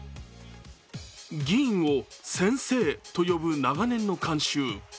議員を「先生」と呼ぶ長年の慣習。